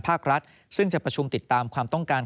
ภาครัฐซึ่งจะประชุมติดตามความต้องการ